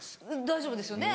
大丈夫ですよね。